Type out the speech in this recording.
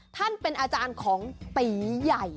ท่านเป็นอาจารย์ของตีใหญ่